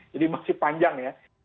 jadi masih panjang ya